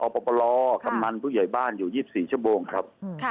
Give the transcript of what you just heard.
อปปลอค่ะมันผู้ใหญ่บ้านอยู่ยี่สิบสี่ชั่วโมงครับค่ะ